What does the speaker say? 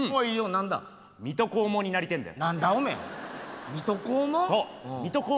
何で水戸黄門になりてえのよ。